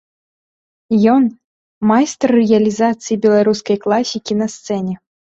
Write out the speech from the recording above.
Ён майстар рэалізацыі беларускай класікі на сцэне.